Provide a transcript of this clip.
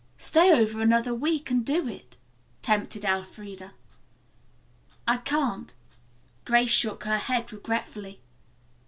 "Stay over another week and do it," tempted Elfreda. "I can't." Grace shook her head regretfully.